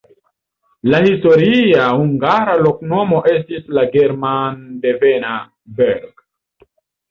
La historia hungara loknomo estis la germandevena Berg.